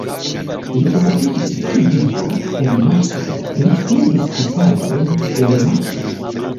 Li okupiĝis pri vivo en Marso, li studis kristalojn el Marso.